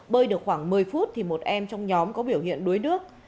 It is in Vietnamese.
bơi được khoảng một mươi phút thì một em trong nhóm có biểu hiện đuối nước